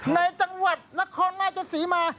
ในจังหวัดนครราชศรีมา